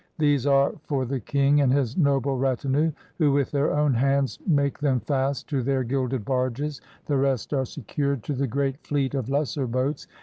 These are for the king and his noble retinue, who with their own hands make them fast to their gilded barges; the rest are se cured to the great fleet of lesser boats.